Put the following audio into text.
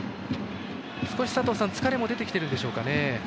少し疲れも出てきているんですかね。